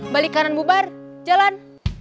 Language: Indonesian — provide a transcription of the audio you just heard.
balik kanan bubar jalan